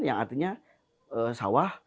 yang artinya sawah